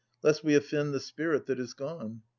Lest we offend the spirit that is gone.